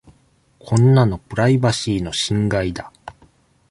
こんなのプライバシーの侵害だ。